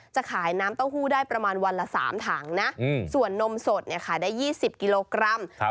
จะขายน้ำเต้าหู้ได้ประมาณวันละ๓ถังนะส่วนนมสดเนี่ยขายได้๒๐กิโลกรัม